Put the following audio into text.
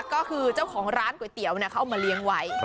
ก็คือเจ้าของร้านก๋วยเตี๋ยวเขาเอามาเลี้ยงไว้